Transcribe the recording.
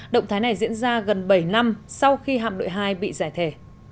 động thái này diễn ra gần bảy năm sau khi hạm đội hai bị giải thể